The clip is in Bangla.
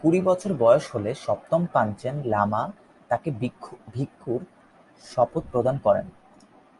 কুড়ি বছর বয়স হলে সপ্তম পাঞ্চেন লামা তাকে ভিক্ষুর শপথ প্রদান করেন।